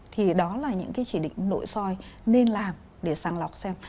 thì đó là những cái chỉ định nội soi nên làm để sàng lọc xem